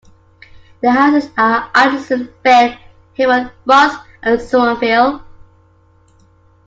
The houses are Anderson, Begg, Herron, Ross and Somerville.